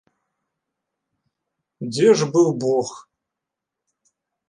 Дзе ж быў бог!